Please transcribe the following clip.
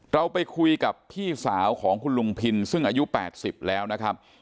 เราไปคุยกับพี่สาวของคุณลุงพินซึ่งอายุ๘๐แล้วนะครับ